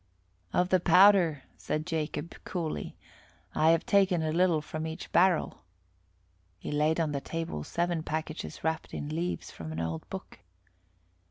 "Of the powder," said Jacob coolly, "I have taken a little from each barrel." He laid on the table seven packages wrapped in leaves from an old book.